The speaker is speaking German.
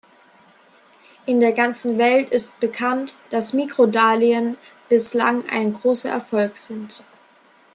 In der ganzen Welt ist bekannt, dass Mikrodarlehen bislang ein großer Erfolg sind.